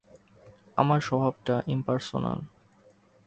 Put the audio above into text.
আমার স্বভাবটা ইম্পার্সোন্যাল।